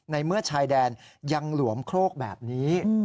ในเมื่อชายแดนยังหลวมโครกแบบนี้